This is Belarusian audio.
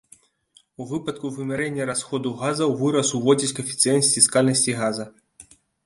У выпадку вымярэння расходу газа ў выраз уводзяць каэфіцыент сціскальнасці газа.